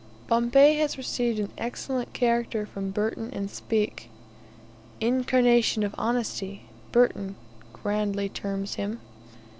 Bombay has received an excellent character from Burton and Speke. "Incarnation of honesty" Burton grandly terms him.